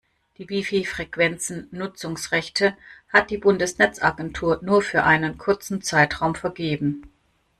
Die WiFi-Frequenzen-Nutzungsrechte hat die Bundesnetzagentur nur für einen kurzen Zeitraum vergeben.